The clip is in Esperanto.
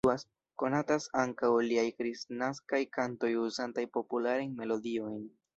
Konatas ankaŭ liaj kristnaskaj kantoj uzantaj popularajn melodiojn.